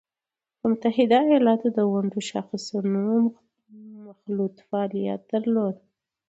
د متحده ایالاتو د ونډو شاخصونو مخلوط فعالیت درلود